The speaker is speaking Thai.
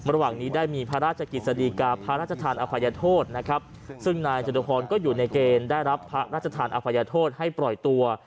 ระหว่างนี้ได้มีพระราชกิจสดีกาพระราชทานอภัยโทษนะครับซึ่งนายจตุพรก็อยู่ในเกณฑ์ได้รับพระราชทานอภัยโทษให้ปล่อยตัว